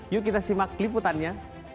yuk kita simak keliputannya